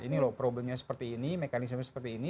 ini loh problemnya seperti ini mekanisme seperti ini